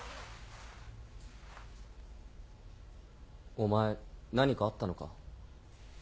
お前何かあったのか？